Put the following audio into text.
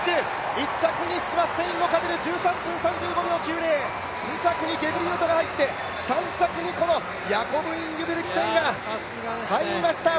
１着フィニッシュはスペインのカティル、１３分３５秒９０、２着にゲブリウェトが入って、３着にヤコブ・インゲブリクセンが入りました。